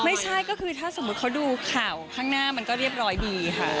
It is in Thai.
ไม่ใช่ก็คือถ้าสมมุติเขาดูข่าวข้างหน้ามันก็เรียบร้อยดีค่ะ